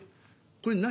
これ何？